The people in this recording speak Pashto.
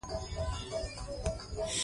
سوداګرو ته د اسانتیاوو زمینه برابره کړئ.